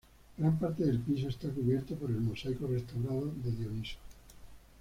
Gran parte del piso está cubierto por el mosaico restaurado de Dioniso.